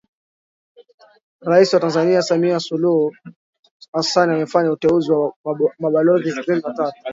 Rais wa Tanzania Samia Suluhu Hassan amefanya uteuzi wa mabalozi ishirini na tatu